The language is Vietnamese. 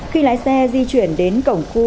khi lái xe di chuyển đến cổng khu